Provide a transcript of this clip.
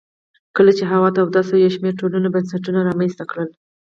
کله چې هوا توده شوه یو شمېر ټولنو بنسټونه رامنځته کړل